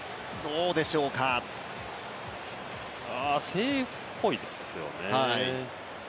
セーフっぽいですよね。